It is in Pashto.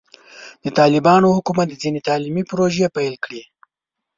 د طالبانو حکومت ځینې تعلیمي پروژې پیل کړي.